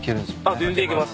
あっ全然いけます